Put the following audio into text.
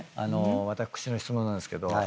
私の質問なんですけど。